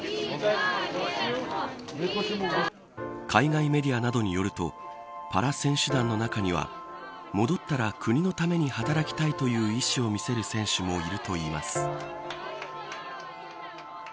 海外メディアなどによるとパラ選手団の中には戻ったら国のために働きたいという意志を見せる選手もいるといいます。